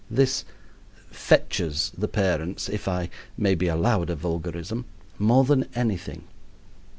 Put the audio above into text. This "fetches" the parents (if I may be allowed a vulgarism) more than anything.